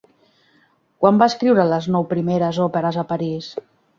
Quan va escriure les nou primeres òperes a París?